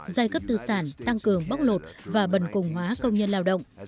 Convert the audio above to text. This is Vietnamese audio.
giai cấp tư sản tăng cường bóc lột và bần cùng hóa công nhân lao động